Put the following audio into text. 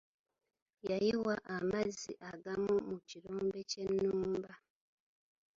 Yayiwa amazzi agamu mu kirombe ky'ennumba.